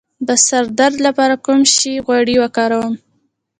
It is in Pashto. د سر درد لپاره د کوم شي غوړي وکاروم؟